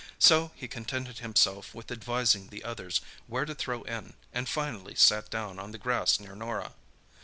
So he contented himself with advising the others where to throw in, and finally sat down on the grass near Norah.